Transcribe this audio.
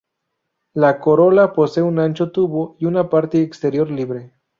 La corola posee un ancho tubo y una parte exterior libre.